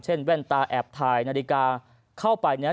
เช่นแว่นตาแอบถ่ายนาฬิกาเข้าไป